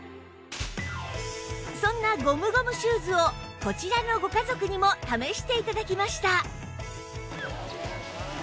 そんなゴムゴムシューズをこちらのご家族にも試して頂きました